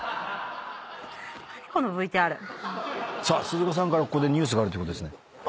さあ鈴鹿さんからここでニュースがあるということですね。